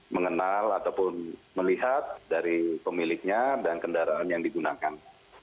mengenal ataupun melihat dari pemiliknya dan kendaraan yang digunakan